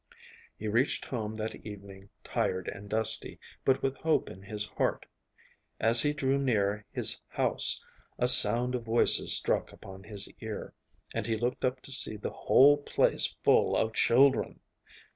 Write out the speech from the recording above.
He reached home that evening tired and dusty, but with hope in his heart. As he drew near his house a sound of voices struck upon his ear, and he looked up to see the whole place full of children.